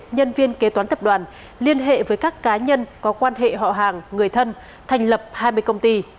nhân viên kế toán tập đoàn liên hệ với các cá nhân có quan hệ họ hàng người thân thành lập hai mươi công ty